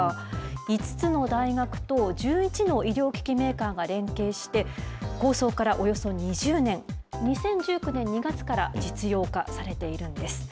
５つの大学と１１の医療機器メーカーが連携して、構想からおよそ２０年、２０１９年２月から実用化されているんです。